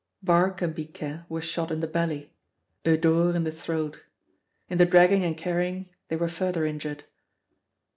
Barque and Biquet were shot in the belly; Eudore in the throat. In the dragging and carrying they were further injured.